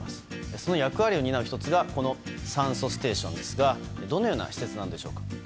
その役割を担う１つがこの酸素ステーションですがどのような施設なんでしょうか。